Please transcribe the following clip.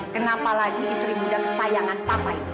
kenapa lagi istri muda kesayangan papa itu